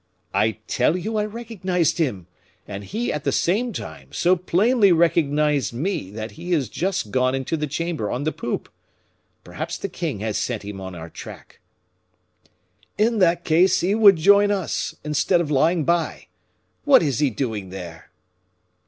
"I tell you I recognized him, and he, at the same time, so plainly recognized me, that he is just gone into the chamber on the poop. Perhaps the king has sent him on our track." "In that case he would join us, instead of lying by. What is he doing there?"